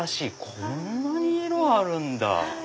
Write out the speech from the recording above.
こんなに色あるんだ。